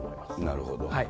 なるほど。